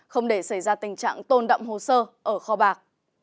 không để xảy ra tình trạng tôn động hồ sơ ở kho bạc